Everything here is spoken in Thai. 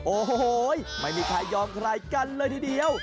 โอ้โหไม่มีใครยอมใครกันเลยทีเดียว